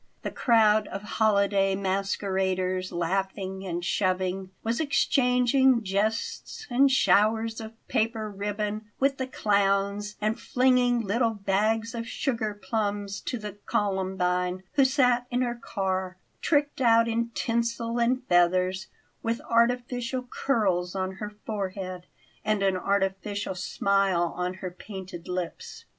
The crowd of holiday masqueraders, laughing and shoving, was exchanging jests and showers of paper ribbon with the clowns and flinging little bags of sugar plums to the columbine, who sat in her car, tricked out in tinsel and feathers, with artificial curls on her forehead and an artificial smile on her painted lips.